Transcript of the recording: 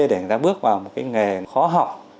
để người ta bước vào một nghề khó học